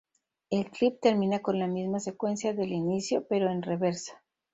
El clip termina con la misma secuencia del inicio, pero en reversa.